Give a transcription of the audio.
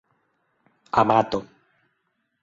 amato